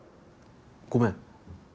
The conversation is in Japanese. ごめん。